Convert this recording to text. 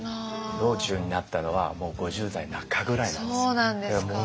老中になったのはもう５０代中ぐらいなんですよ。